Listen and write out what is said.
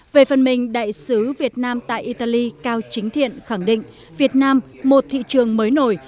về phần mình đại sứ việt nam tại italy cao chính thiện khẳng định việt nam một thị trường mới nổi